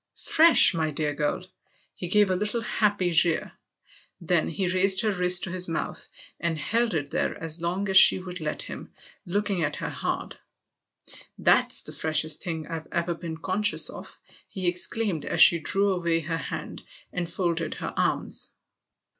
"' Fresh/ my dear girl !" He gave a little happy jeer; then he raised her wrist to his mouth and held it there as long as she would let him, looking at her hard. " That's the freshest thing I've ever been conscious of !" he exclaimed as she drew away her hand and folded her arms.